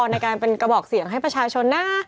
ในการเป็นกระบอกเสียงให้ประชาชนนะ